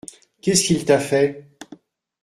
Qu'est-ce qu'il t'a fait ?